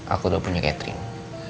aku udah punya catherine